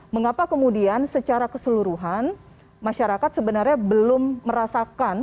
mengapa kemudian secara keseluruhan masyarakat sebenarnya belum merasakan